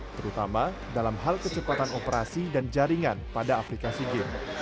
terutama dalam hal kecepatan operasi dan jaringan pada aplikasi game